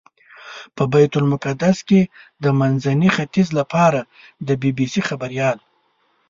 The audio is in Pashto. په بیت المقدس کې د منځني ختیځ لپاره د بي بي سي خبریال.